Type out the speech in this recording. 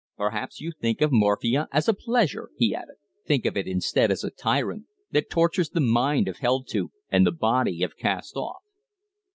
"Perhaps you think of morphia as a pleasure?" he added. "Think of it, instead, as a tyrant that tortures the mind if held to, and the body if cast off."